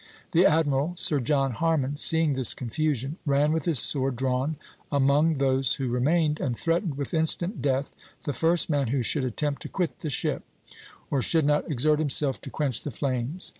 The admiral, Sir John Harman, seeing this confusion, ran with his sword drawn among those who remained, and threatened with instant death the first man who should attempt to quit the ship, or should not exert himself to quench the flames.